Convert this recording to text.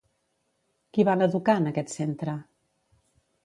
Qui van educar en aquest centre?